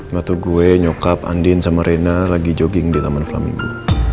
batu gue nyokap andin sama rena lagi jogging di taman kelamingu